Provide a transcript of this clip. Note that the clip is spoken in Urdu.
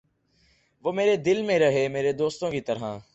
وُہ میرے دل میں رہے میرے دوستوں کی طرح